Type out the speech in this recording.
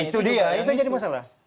itu dia itu yang jadi masalah